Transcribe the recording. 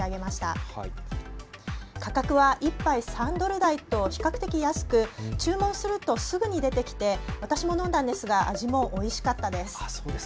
価格は１杯３ドル台と比較的安く注文するとすぐに出てきて私も飲んだんですが味もおいしかったです。